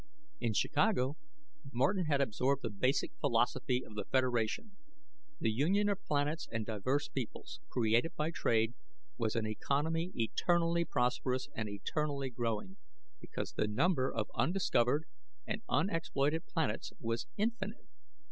In Chicago Martin had absorbed the basic philosophy of the Federation: the union of planets and diverse peoples, created by trade, was an economy eternally prosperous and eternally growing, because the number of undiscovered and unexploited planets was infinite.